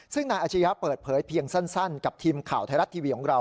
ซึ่งนายอาชียะเปิดเผยเพียงสั้นกับทีมข่าวไทยรัฐทีวีของเรา